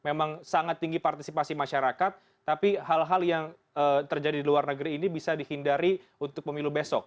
memang sangat tinggi partisipasi masyarakat tapi hal hal yang terjadi di luar negeri ini bisa dihindari untuk pemilu besok